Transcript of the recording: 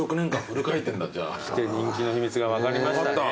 来て人気の秘密が分かりましたね。